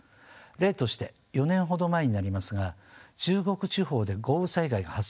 例として４年ほど前になりますが中国地方で豪雨災害が発生しておりました。